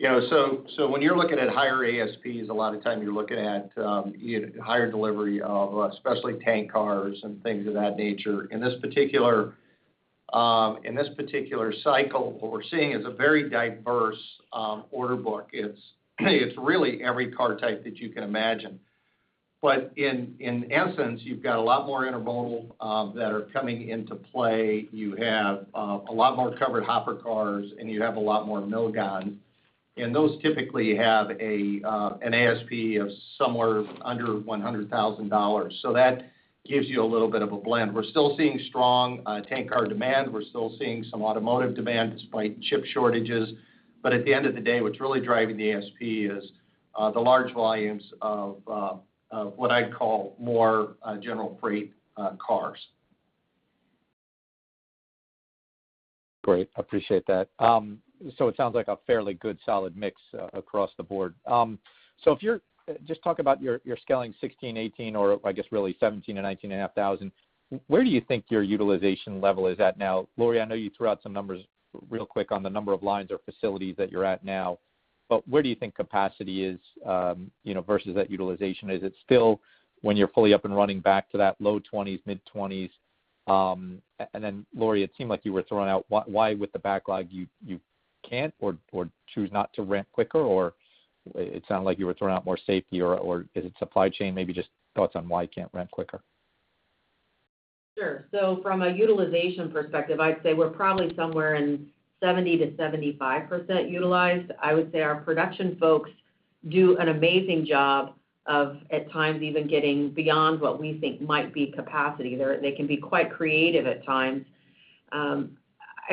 You know, when you're looking at higher ASPs, a lot of time you're looking at higher delivery of especially tank cars and things of that nature. In this particular cycle, what we're seeing is a very diverse order book. It's really every car type that you can imagine. But in essence, you've got a lot more intermodal that are coming into play. You have a lot more covered hopper cars, and you have a lot more gondola. And those typically have an ASP of somewhere under $100,000. That gives you a little bit of a blend. We're still seeing strong tank car demand. We're still seeing some automotive demand despite chip shortages. At the end of the day, what's really driving the ASP is the large volumes of what I'd call more general freight cars. Great. I appreciate that. So it sounds like a fairly good solid mix across the board. So if you're just talk about your scaling 16,000 or 18,000 or I guess really 17,000-19,500, where do you think your utilization level is at now? Lorie, I know you threw out some numbers real quick on the number of lines or facilities that you're at now, but where do you think capacity is, you know, versus that utilization? Is it still when you're fully up and running back to that low 20s, mid-20s? And then Lorie, it seemed like you were throwing out why with the backlog you can't or choose not to ramp quicker, or it sounded like you were throwing out more safety or is it supply chain? Maybe just thoughts on why you can't ramp quicker. Sure. From a utilization perspective, I'd say we're probably somewhere in 70%-75% utilized. I would say our production folks do an amazing job of at times even getting beyond what we think might be capacity. They can be quite creative at times. I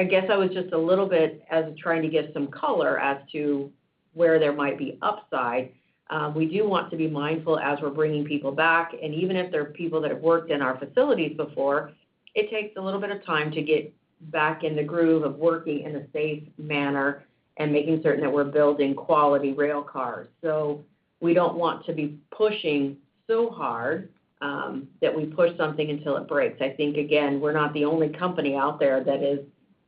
guess I was just a little bit as trying to give some color as to where there might be upside. We do want to be mindful as we're bringing people back, and even if they're people that have worked in our facilities before, it takes a little bit of time to get back in the groove of working in a safe manner and making certain that we're building quality rail cars. We don't want to be pushing so hard that we push something until it breaks. I think, again, we're not the only company out there that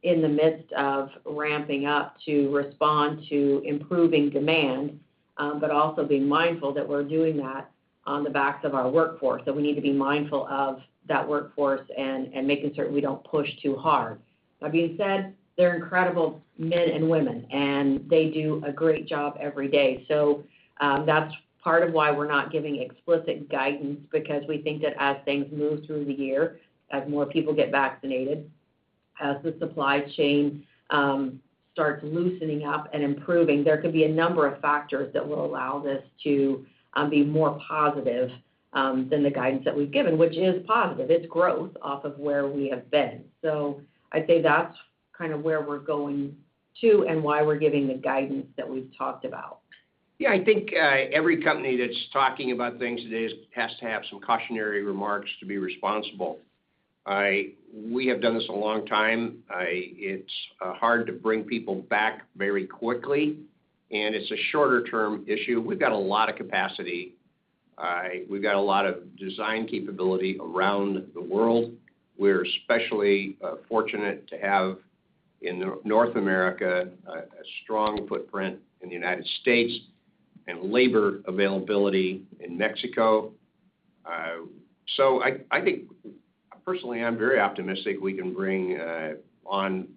is in the midst of ramping up to respond to improving demand, but also being mindful that we're doing that on the backs of our workforce, that we need to be mindful of that workforce and making certain we don't push too hard. That being said, they're incredible men and women, and they do a great job every day. That's part of why we're not giving explicit guidance because we think that as things move through the year, as more people get vaccinated, as the supply chain starts loosening up and improving, there could be a number of factors that will allow this to be more positive than the guidance that we've given, which is positive. It's growth off of where we have been. I'd say that's kind of where we're going to and why we're giving the guidance that we've talked about. Yeah. I think every company that's talking about things today has to have some cautionary remarks to be responsible. We have done this a long time. It's hard to bring people back very quickly, and it's a shorter-term issue. We've got a lot of capacity. We've got a lot of design capability around the world. We're especially fortunate to have, in North America, a strong footprint in the United States and labor availability in Mexico. I think personally, I'm very optimistic we can bring on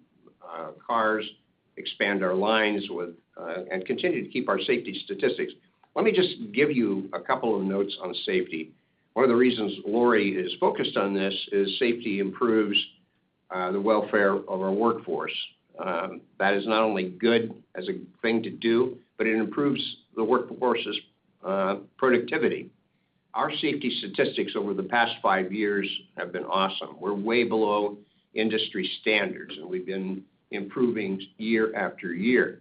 cars, expand our lines with and continue to keep our safety statistics. Let me just give you a couple of notes on safety. One of the reasons Lorie is focused on this is safety improves the welfare of our workforce. That is not only good as a thing to do, but it improves the workforce's productivity. Our safety statistics over the past five years have been awesome. We're way below industry standards, and we've been improving year after year.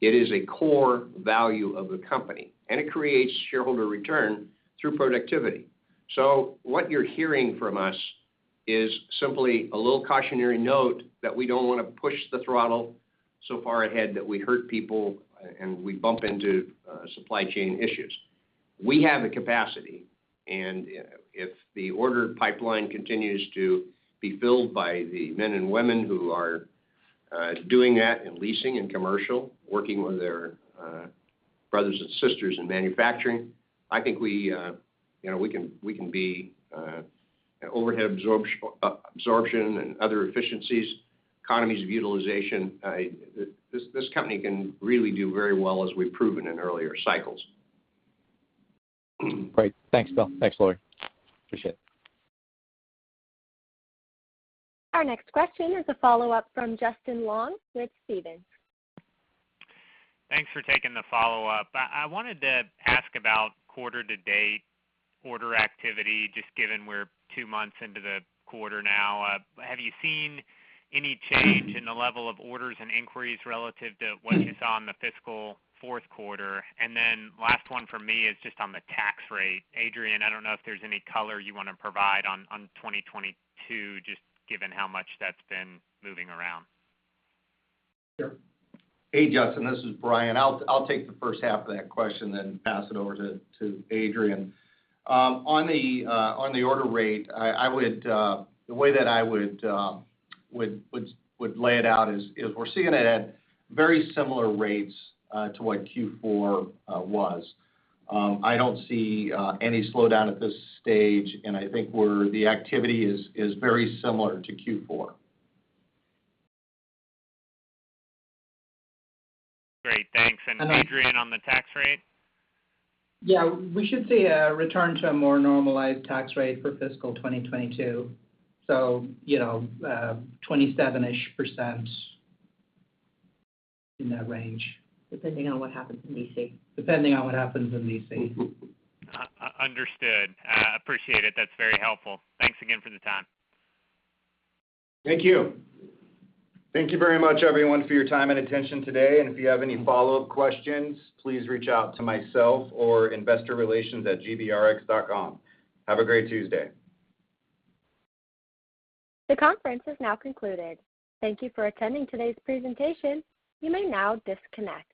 It is a core value of the company, and it creates shareholder return through productivity. What you're hearing from us is simply a little cautionary note that we don't wanna push the throttle so far ahead that we hurt people and we bump into supply chain issues. We have the capacity, and if the order pipeline continues to be filled by the men and women who are doing that in leasing and commercial, working with their brothers and sisters in manufacturing, I think you know we can be. Overhead absorption and other efficiencies, economies of utilization, this company can really do very well as we've proven in earlier cycles. Great. Thanks, Bill. Thanks, Lorie. Appreciate it. Our next question is a follow-up from Justin Long with Stephens. Thanks for taking the follow-up. I wanted to ask about quarter-to-date order activity, just given we're two months into the quarter now. Have you seen any change in the level of orders and inquiries relative to what you saw in the fiscal fourth quarter? Last one from me is just on the tax rate. Adrian, I don't know if there's any color you wanna provide on 2022, just given how much that's been moving around. Sure. Hey, Justin. This is Brian. I'll take the first half of that question, then pass it over to Adrian. On the order rate, I would lay it out is we're seeing it at very similar rates to what Q4 was. I don't see any slowdown at this stage, and I think the activity is very similar to Q4. Great. Thanks. Adrian, on the tax rate? Yeah. We should see a return to a more normalized tax rate for fiscal 2022. You know, 27%-ish, in that range. Depending on what happens in D.C. Depending on what happens in D.C. Understood. Appreciate it. That's very helpful. Thanks again for the time. Thank you. Thank you very much everyone for your time and attention today. If you have any follow-up questions, please reach out to myself or investor relations at gbrx.com. Have a great Tuesday. The conference has now concluded. Thank you for attending today's presentation. You may now disconnect.